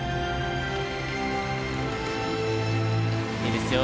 いいですよ。